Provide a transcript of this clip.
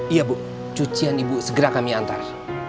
iya bu cucian ibu segera kami antar